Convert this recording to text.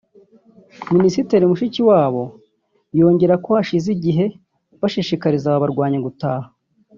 Minisitiri Mushikiwabo yongeraho ko hashize igihe bashishikariza aba barwanyi gutahuka